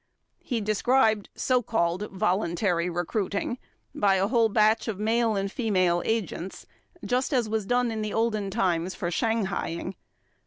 He described so called "voluntary" recruiting by a whole batch of male and female agents just as was done in the olden times for shanghaiing".